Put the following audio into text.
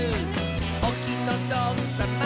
「おきのどくさま」